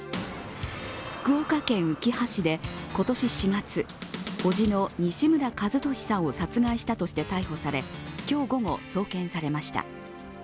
福岡県うきは市で今年４月おじの西村一敏さんを殺害したとして逮捕され今日午後、送検されました。